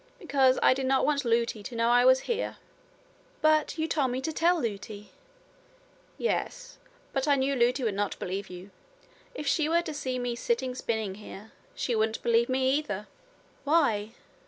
'Because I did not want Lootie to know I was here.' 'But you told me to tell Lootie.' 'Yes. But I knew Lootie would not believe you. If she were to see me sitting spinning here, she wouldn't believe me, either.' 'Why?'